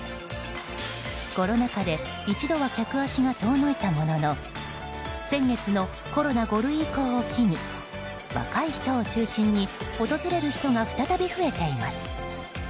コロナ禍で一度は客足が遠のいたものの先月のコロナ５類移行を機に若い人を中心に訪れる人が再び増えています。